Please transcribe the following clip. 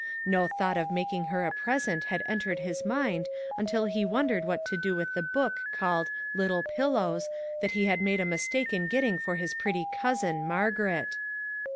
No thought of making her a present had entered his mind until he wondered what to do with the book called "Little Pillows" that he had made a mistake in getting for his pretty cousin, Margaret.